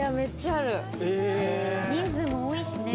人数も多いしね。